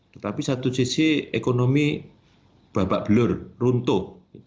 tetapi satu sisi ekonomi babak belur runtuh